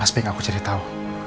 apa sebaiknya aku jadi tau